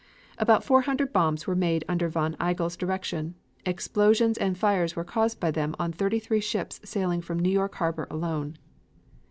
About four hundred bombs were made under von Igel's direction; explosions and fires were caused by them on thirty three ships sailing from New York harbor alone.